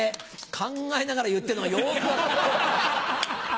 考えながら言ってるのがよく分かった。